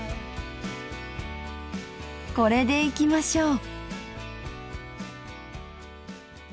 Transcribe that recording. これでいきましょう。